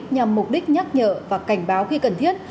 nhằm mục đích nhắc nhở và cảnh báo khi cần thiết